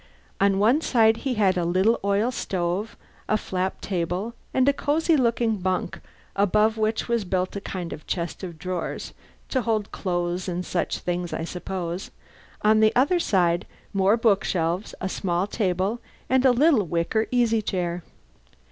On one side he had a little oil stove, a flap table, and a cozy looking bunk above which was built a kind of chest of drawers to hold clothes and such things, I suppose; on the other side more bookshelves, a small table, and a little wicker easy chair.